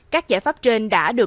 các giải pháp trên đã đảm bảo